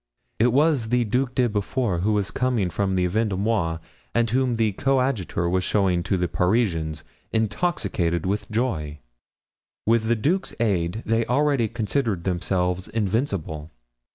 It was the Duc de Beaufort, who was coming from the Vendomois and whom the coadjutor was showing to the Parisians, intoxicated with joy. With the duke's aid they already considered themselves invincible.